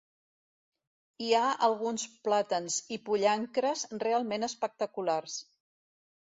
Hi ha alguns plàtans i pollancres realment espectaculars.